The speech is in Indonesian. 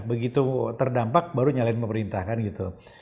begitu terdampak baru nyalain pemerintah kan gitu